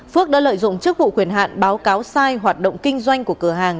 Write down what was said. phước đã lợi dụng chức vụ quyền hạn báo cáo sai hoạt động kinh doanh của cửa hàng